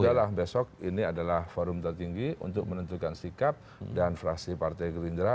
sudahlah besok ini adalah forum tertinggi untuk menentukan sikap dan fraksi partai gerindra